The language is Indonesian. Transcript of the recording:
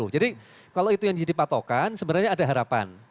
jadi kalau itu yang jadi patokan sebenarnya ada harapan